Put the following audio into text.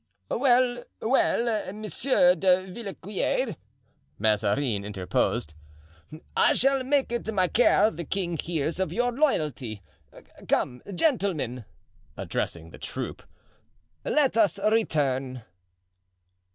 "Well, well, Monsieur de Villequier," Mazarin interposed, "I shall make it my care the king hears of your loyalty. Come, gentlemen," addressing the troop, "let us return."